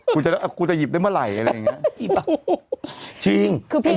ฮึ่มมมจะหยิบได้เมื่อไหร่อะไรเนี้ย